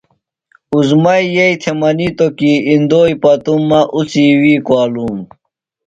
عظمیٰ یئی تھےۡ منِیتوۡ کی اِندوئی پتُوۡ مہ اُڅی وی کُوالُوم۔